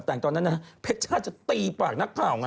แต่ตอนนั้นเพจจ่าจะตีปากนักข่าว